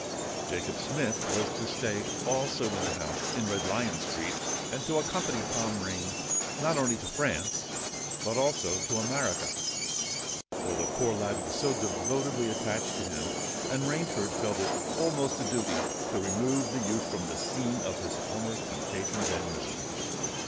Jacob Smith was to stay also in the house in Red Lion Street, and to accompany Tom Rain not only to France, but also to America; for the poor lad was devotedly attached to him, and Rainford felt it almost a duty to remove the youth from the scene of his former temptations and miseries.